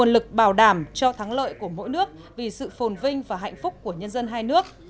tương lai của mỗi nước vì sự phồn vinh và hạnh phúc của nhân dân hai nước